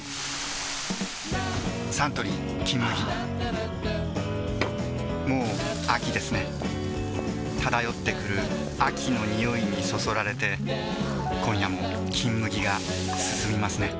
サントリー「金麦」もう秋ですね漂ってくる秋の匂いにそそられて今夜も「金麦」がすすみますね